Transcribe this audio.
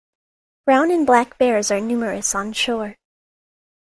Brown and black bears are numerous on shore.